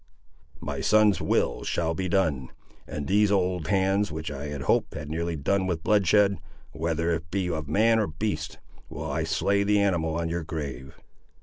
"My son's will shall be done. And with these old hands, which I had hoped had nearly done with bloodshed, whether it be of man or beast, will I slay the animal on your grave!"